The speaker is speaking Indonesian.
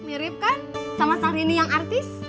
mirip kan sama sahrini yang artis